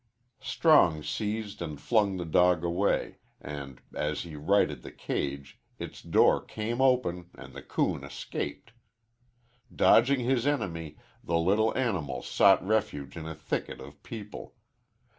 Strong seized and flung the dog away, and as he righted the cage its door came open and the coon escaped. Dodging his enemy, the little animal sought refuge in a thicket of people.